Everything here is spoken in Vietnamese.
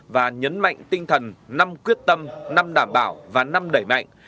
và nhấn mạnh tinh thần năm quyết tâm năm đảm bảo và năm đẩy mạnh